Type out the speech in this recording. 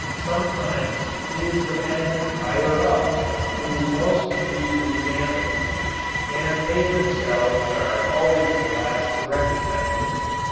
Sometimes it is the men "higher up" who most need revamping and they themselves are always the last to recognize it.